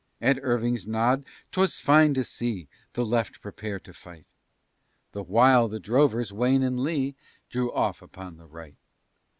At Irving's nod 'twas fine to see The left prepare to fight; The while, the drovers, Wayne and Lee, Drew off upon the right.